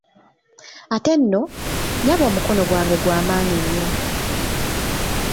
Ate nno, nnyabo omukono gwange gwa maanyi nnyo.